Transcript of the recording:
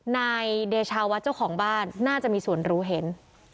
นายเดชาวัดเจ้าของบ้านน่าจะมีส่วนรู้เห็น